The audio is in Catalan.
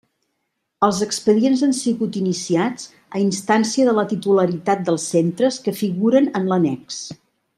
Els expedients han sigut iniciats a instància de la titularitat dels centres que figuren en l'annex.